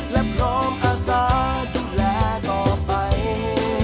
และพร้อมอาสาดูแลต่อไป